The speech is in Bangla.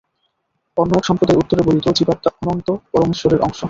অন্য এক সম্প্রদায় উত্তরে বলিত, জীবাত্মা অনন্ত পরমেশ্বরের অংশ।